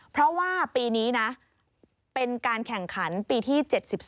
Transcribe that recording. เพราะว่าปีนี้นะเป็นการแข่งขันปีที่๗๒